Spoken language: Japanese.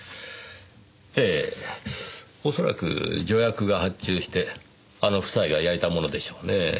ええ恐らく助役が発注してあの夫妻が焼いたものでしょうね。